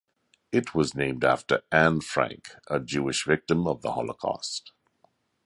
It was named after Anne Frank, a Jewish victim of the Holocaust.